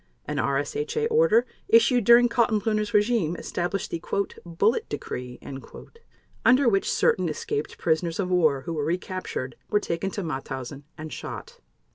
An RSHA order issued during Kaltenbrunner's regime established the "Bullet Decree," under which certain escaped prisoners of war who were recaptured were taken to Mauthausen and shot.